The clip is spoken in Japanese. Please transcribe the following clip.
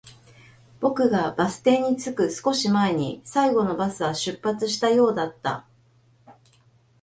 僕がバス停に着く少し前に、最後のバスは出発したようだった